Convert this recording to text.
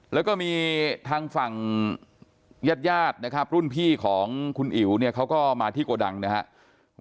แล้วก็มีทางฝั่งญาติรุ่นพี่ของคุณอิ๋วเขาก็มาที่โกดังนะครับ